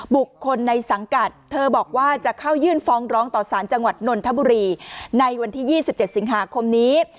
บุคคลในสังกัดเธอบอกว่าจะเข้ายื่นฟ้องร้องต่อสารจังหวัดนนทบุรีในวันที่๒๗สิงหาคมนี้